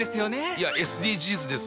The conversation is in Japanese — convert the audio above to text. いやＳＤＧｓです。